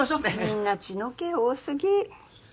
みんな血の気多過ぎ。